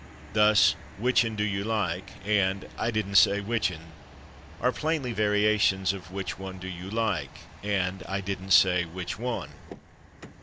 Thus, "/whichn/ do you like?" and "I didn't say /whichn/" are plainly variations of "/which one/ do you like?" and "I didn't say /which one